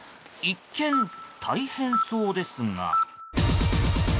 一見、大変そうですが。